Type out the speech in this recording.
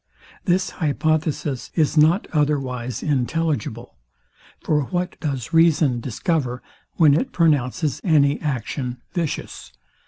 This hypothesis is not otherwise intelligible. For what does reason discover, when it pronounces any action vicious?